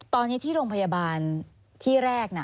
ตอนนี้ที่โรงพยาบาลที่แรก